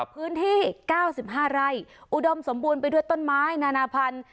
พื้นที่๙๕ไร่อุดมสมบูรณ์ไปด้วยต้นไม้นานาพันธุ์